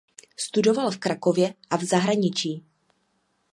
Studoval v Krakově a v zahraničí.